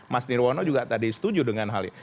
mas nirwono juga tadi setuju dengan hal ini